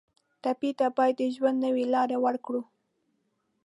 ټپي ته باید د ژوند نوې لاره ورکړو.